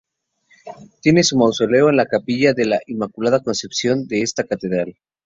Tiene su mausoleo en la capilla de la "Inmaculada Concepción" de esta catedral.